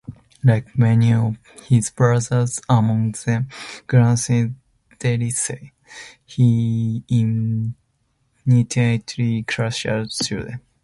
Like many of his brothers, among them Guillaume Delisle, he initially followed classical studies.